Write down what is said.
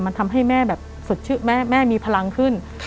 มันทำให้แม่แบบสดชื่นแม่มีพลังขึ้น